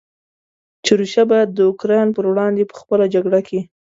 چې روسیه باید د اوکراین پر وړاندې په خپله جګړه کې.